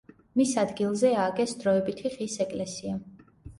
მის ადგილზე ააგეს დროებითი ხის ეკლესია.